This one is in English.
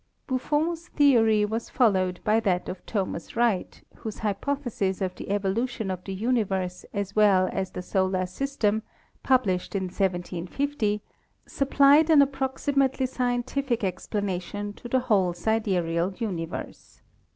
Buffon's theory was followed by that of Thomas Wright, whose hypothesis of the evolution of the universe as well as the solar system, published in 1750, supplied an ap proximately scientific explanation of the whole sidereal universe.